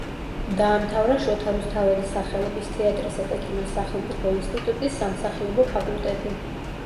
დაამთავრა შოთა რუსთაველის სახელობის თეატრისა და კინოს სახელმწიფო ინსტიტუტის სამსახიობო ფაკულტეტი.